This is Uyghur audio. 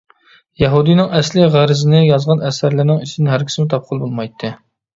يەھۇدىينىڭ ئەسلى غەرىزىنى يازغان ئەسەرلىرىنىڭ ئىچىدىن ھەرگىزمۇ تاپقىلى بولمايتتى.